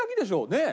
ねえ。